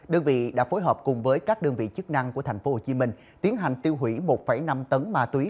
đơn vị đã phối hợp cùng với các đơn vị chức năng của tp hcm tiến hành tiêu hủy một năm tấn ma túy